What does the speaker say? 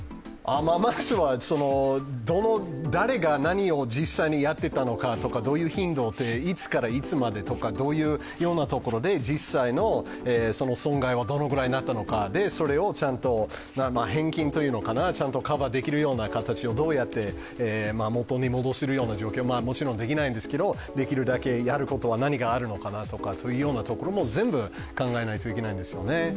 まずは、誰が、何を実際にやっていたのかとか、どういう頻度で、いつからいつまでとか、どのようなところで、実際の損害はどのぐらいになったのか、それをちゃんと返金というのかなと、ちゃんとカバーできるような形をどうやって元に戻せるような状況をもちろんできないんですけど、できるだけやることは何があるのかなというところも全部考えないといけないですよね。